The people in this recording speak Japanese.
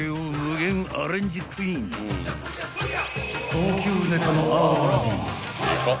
［高級ネタのあわび］